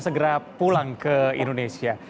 segera pulang ke indonesia